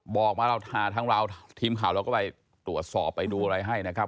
บอกมาเราหาทางเราทีมข่าวเราก็ไปตรวจสอบไปดูอะไรให้นะครับ